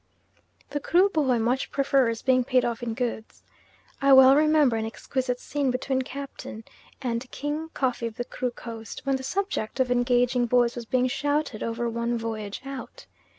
The Kruboy much prefers being paid off in goods. I well remember an exquisite scene between Captain and King Koffee of the Kru Coast when the subject of engaging boys was being shouted over one voyage out.